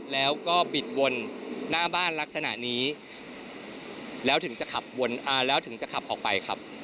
แล้วก็บิดวนหน้าบ้านลักษณะนี้แล้วถึงจะขับออกไปครับ